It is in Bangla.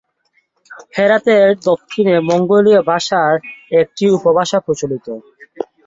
হেরাতের দক্ষিণে মঙ্গোলীয় ভাষার একটি উপভাষা প্রচলিত।